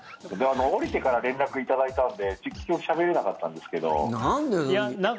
降りてから連絡いただいたんで結局しゃべれなかったんですけど。